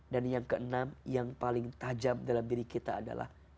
dan yang keenam yang paling tajam dalam diri kita adalah